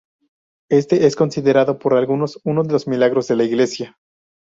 Este es considerado por algunos uno de los "milagros" de la Iglesia.